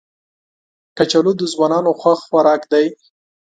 کچالو د ځوانانو خوښ خوراک دی